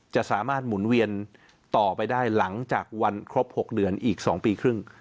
จะสามารถหมุนเวียนต่อไปได้หลังจากวันครบ๖เดือนอีก๒ปีครึ่ง